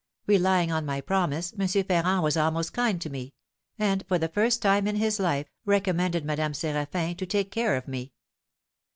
Relying on my promise, M. Ferrand was almost kind to me, and, for the first time in his life, recommended Madame Séraphin to take care of me.